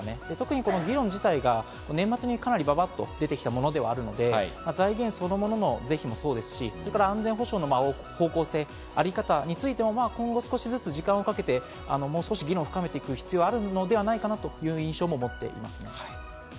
特に議論自体が年末にかなり、ばばっと出てきたものではあるので、財源そのものもそうですし、安全性のあり方についても時間をかけて議論を深める必要があるのではないかなという印象を持っています。